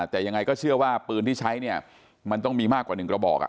แต่ยังไงก็เชื่อว่าปืนที่ใช้เนี่ยมันต้องมีมากกว่า๑กระบอก